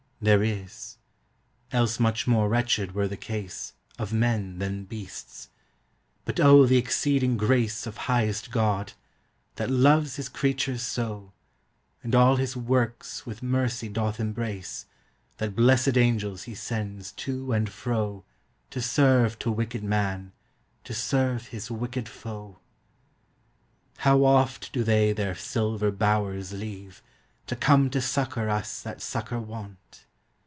There is: else much more wretched were the case Of men than beasts: but O the exceeding grace Of Highest God! that loves his creatures so, And all his workes with mercy doth embrace, That blessèd angels he sends to and fro, To serve to wicked man, to serve his wicked foe! How oft do they their silver bowers leave, To come to succour us that succour want!